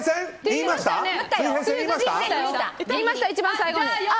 言いました、一番最後に。